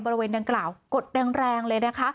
บริเวณดังกล่าวกดดังแรงเลย